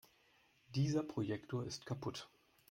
Dieser Projektor ist kaputt.